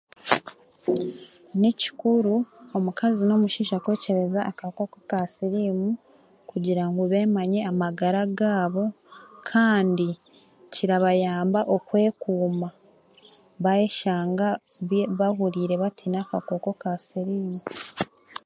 Ni kikuru omukaazi n'omusheija kwekyebeza akakooko ka siriimu kugira ngu bemanye amagara gabo kandi kirabayamba okwekuuma b'ayeshanga bahuriire bateine akakooko ka siriimu.